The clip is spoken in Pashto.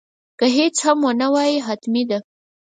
که هیڅ هم ونه وایې حتمي ده.